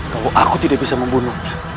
kalau aku tidak bisa membunuh